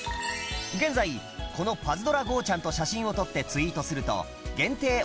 現在このパズドラゴーちゃん。と写真を撮ってツイートすると限定